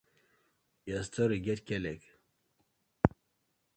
Your story get k-leg!